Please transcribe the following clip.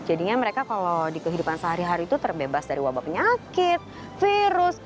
jadinya mereka kalau di kehidupan sehari hari itu terbebas dari wabah penyakit virus